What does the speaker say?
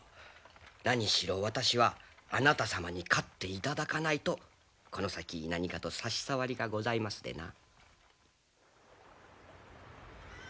何しろ私はあなた様に勝っていただかないとこの先何かと差し障りがございますでな。